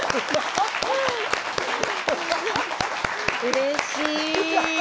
うれしい。